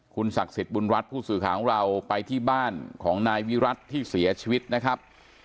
คุณศักดิ์สิทธิ์บุญรัฐผู้สื่อข่าวของเราไปที่บ้านของนายวิรัติที่เสียชีวิตนะครับ